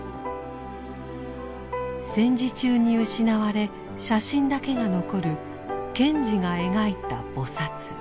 戦時中に失われ写真だけが残る賢治が描いた菩。